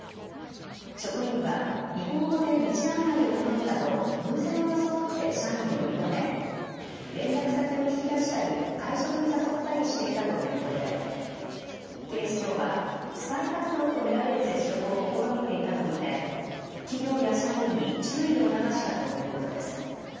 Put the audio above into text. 職員は、日本語で道案内を頼むなど、偶然を装って社員を呼び止め、連絡先を聞き出したり、会食に誘ったりしていたということで、警視庁は、スパイ活動と見られる接触を試みていたと見て、企業や社員に注意を促したということです。